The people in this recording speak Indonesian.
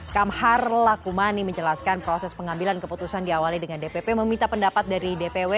kamhar lakumani menjelaskan proses pengambilan keputusan diawali dengan dpp meminta pendapat dari dpw